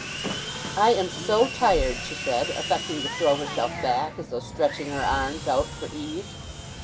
"I am so tired," she said, affecting to throw herself back as though stretching her arms out for ease.